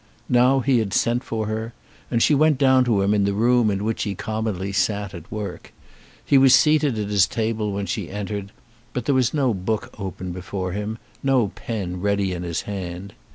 Now he had sent for her, and she went down to him in the room in which he commonly sat at work. He was seated at his table when she entered, but there was no book open before him, and no pen ready to his hand.